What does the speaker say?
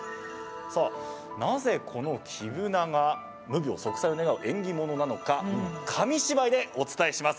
さあ、なぜこの黄ぶなが無病息災を願う縁起物なのか紙芝居でお伝えします。